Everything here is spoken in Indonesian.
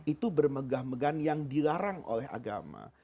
itu bermegah megah yang dilarang oleh agama